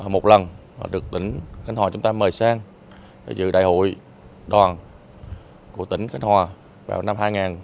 một lần được tỉnh khánh hòa chúng ta mời sang giữ đại hội đoàn của tỉnh khánh hòa vào năm hai nghìn một mươi hai